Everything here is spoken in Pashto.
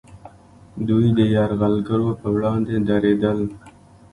دوی د یرغلګرو پر وړاندې دریدل